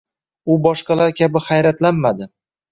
U boshqalar kabi hayratlanmadi